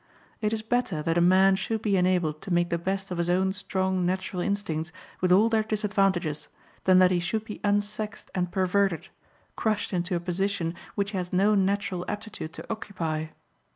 It is better that a man should be enabled to make the best of his own strong natural instincts, with all their disadvantages, than that he should be unsexed and perverted, crushed into a position which he has no natural aptitude to occupy.